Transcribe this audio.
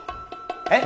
えっ？